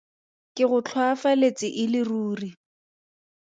Ke go tlhoafaletse e le ruri.